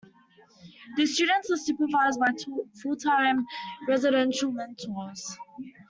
The students are supervised by full-time Residential Mentors.